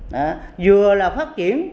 đã vừa là phát triển